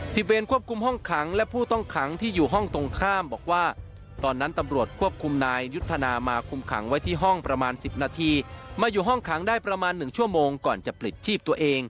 สิบเวรควบคุมห้องขังและผู้ต้องขังที่อยู่ห้องตรงข้ามบอกว่า